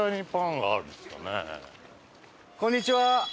こんにちは。